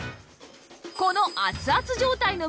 この熱々状態の夢